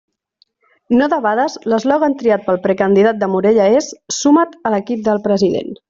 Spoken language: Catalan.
No debades l'eslògan triat pel precandidat de Morella és «Suma't a l'equip del president».